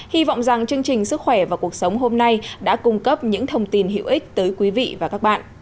hy vọng rằng chương trình sức khỏe và cuộc sống hôm nay đã cung cấp những thông tin hữu ích tới quý vị và các bạn